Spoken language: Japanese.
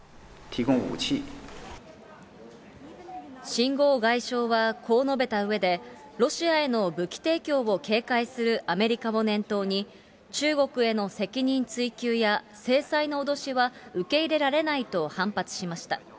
秦剛外相はこう述べたうえで、ロシアへの武器提供を警戒するアメリカを念頭に、中国への責任追及や制裁の脅しは受け入れられないと反発しました。